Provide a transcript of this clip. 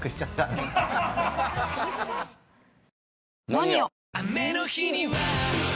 「ＮＯＮＩＯ」！